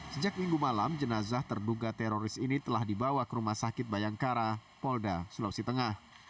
sejak minggu malam jenazah terduga teroris ini telah dibawa ke rumah sakit bayangkara polda sulawesi tengah